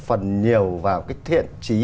phần nhiều vào cái thiện trí